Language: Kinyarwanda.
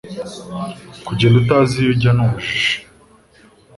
kugenda utazi iyu ujya ni ubujiji